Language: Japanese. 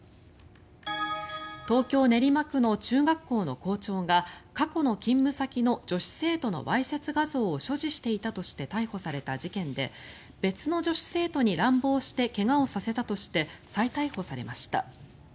東京・練馬区の中学校の校長が過去の勤務先の女子生徒のわいせつ画像を所持していたとして逮捕された事件で別の女子生徒に乱暴して怪我をさせたとして再逮捕されました。